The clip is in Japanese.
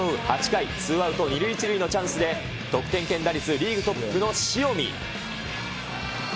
８回、ツーアウト２塁１塁のチャンスで、得点圏打率リーグトップの塩見。